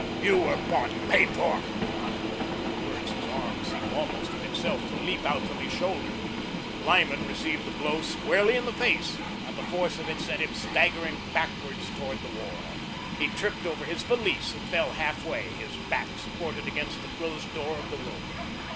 You were bought and paid for," and with the words his arm seemed almost of itself to leap out from his shoulder. Lyman received the blow squarely in the face and the force of it sent him staggering backwards toward the wall. He tripped over his valise and fell half way, his back supported against the closed door of the room.